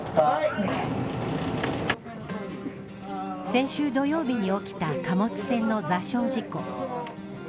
先週土曜日に起きた貨物船の座礁事故。